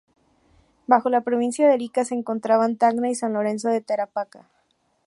Bajo la Provincia de Arica se encontraban Tacna y San Lorenzo de Tarapacá.